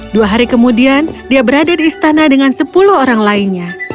dua hari kemudian dia berada di istana dengan sepuluh orang lainnya